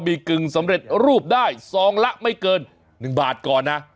มีกึ่งสำเร็จรูปได้ซองละไม่เกิน๑บาทก่อนนะ